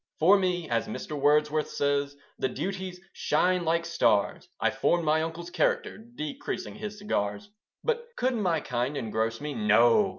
For me, as Mr. Wordsworth says, The duties shine like stars; I formed my uncle's character, Decreasing his cigars. But could my kind engross me? No!